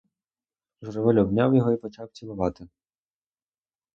Журавель обняв його і почав цілувати.